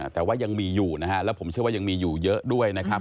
แต่ว่ายังมีอยู่นะฮะแล้วผมเชื่อว่ายังมีอยู่เยอะด้วยนะครับ